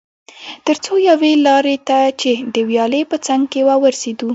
تر څو یوې لارې ته چې د ویالې په څنګ کې وه ورسېدو.